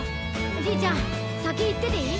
じいちゃんさきいってていい？